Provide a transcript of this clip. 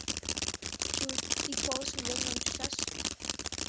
Чу, ик полышым йодын ончышаш.